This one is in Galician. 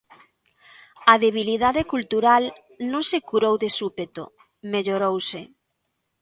A debilidade cultural non se curou de súpeto, mellorouse.